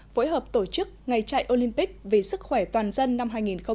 phối hợp tổ chức ngày chạy olympic vì sức khỏe toàn dân năm hai nghìn hai mươi